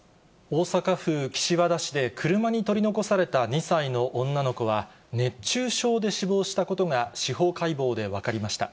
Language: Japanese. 大阪府岸和田市で車に取り残された２歳の女の子は、熱中症で死亡したことが司法解剖で分かりました。